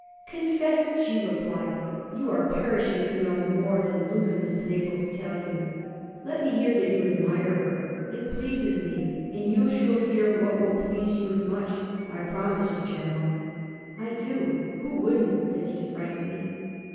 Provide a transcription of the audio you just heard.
'Confess,' she replied, 'you are perishing to know more than Lukin has been able to tell you. Let me hear that you admire her: it pleases me; and you shall hear what will please you as much, I promise you, General.' 'I do. Who wouldn't?' said he frankly.